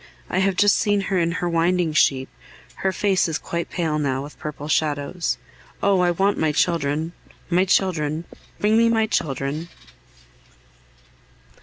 I have just seen her in her winding sheet; her face is quite pale now with purple shadows. Oh! I want my children! my children! Bring me my children!